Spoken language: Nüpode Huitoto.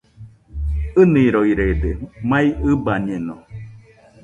ɨniroirede, mai ɨbañeno